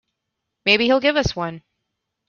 Maybe he'll give us one.